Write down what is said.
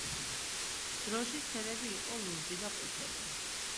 დროშის ფერები იყო ლურჯი და ყვითელი.